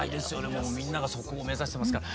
もうみんながそこを目指してますから。